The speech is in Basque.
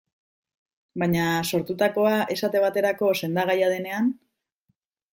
Baina, sortutakoa, esate baterako, sendagaia denean?